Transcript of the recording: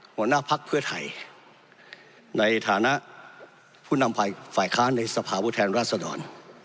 หัวหน้าภักดิ์เพื่อไทยในฐานะผู้นำฝ่ายค้านในสภาพุทธแทนราชดร